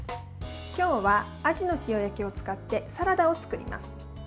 今日はアジの塩焼きを使ってサラダを作ります。